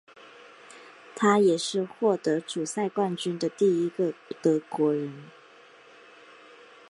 他也是获得主赛冠军的第一个德国人。